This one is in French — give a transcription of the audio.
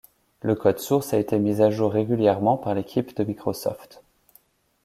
Le code source a été mis à jour régulièrement par l'équipe de Microsoft.